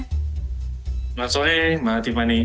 selamat sore mbak timani